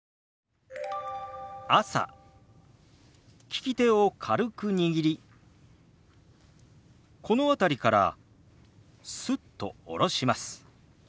利き手を軽く握りこの辺りからスッと下ろします。